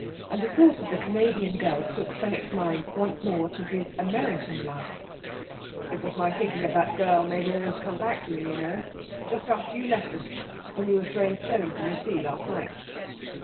And the thought of the Canadian girl took Fenwick's mind once more to his American life: "It was my thinking of that girl made all this come back to me, you know. Just after you left us, when we were throwing stones in the sea, last night...."